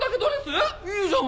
いいじゃん